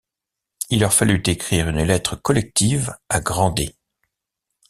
Il leur fallut écrire une lettre collective à Grandet.